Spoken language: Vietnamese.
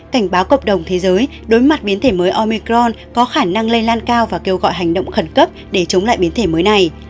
cảnh báo cộng đồng thế giới đối mặt biến thể mới omicron có khả năng lây lan cao và kêu gọi hành động khẩn cấp để chống lại biến thể mới này